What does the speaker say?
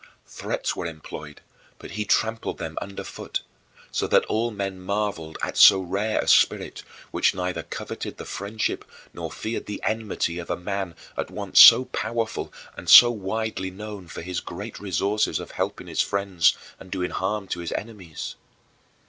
Threats were employed, but he trampled them underfoot so that all men marveled at so rare a spirit, which neither coveted the friendship nor feared the enmity of a man at once so powerful and so widely known for his great resources of helping his friends and doing harm to his enemies.